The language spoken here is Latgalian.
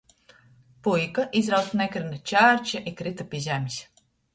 Puika, izrauts nu ekrana, čērce i kryta pi zemis.